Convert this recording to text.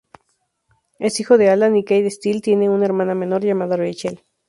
Es hijo de Alan y Kate Still, tiene una hermana menor llamada Rachel.